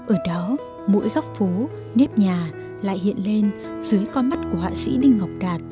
ở đó mỗi góc phố nếp nhà lại hiện lên dưới con mắt của họa sĩ đinh ngọc đạt